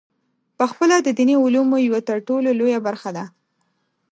پخپله د دیني علومو یوه ترټولو لویه برخه ده.